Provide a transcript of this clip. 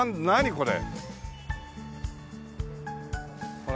これ。